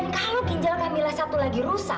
dan kalau ginjal kamila satu lagi rusak